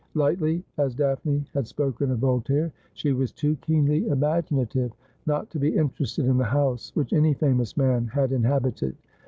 Lightly as Daphne had spoken of Voltaire, she was too keenly imaginative not to be interested in the house which any famous man had inhabited.